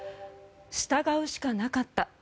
従うしかなかった。